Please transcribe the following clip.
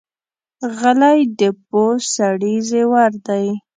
غلی، د پوه سړي زیور دی.